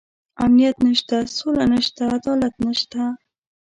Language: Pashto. امنيت نشته، سوله نشته، عدالت نشته.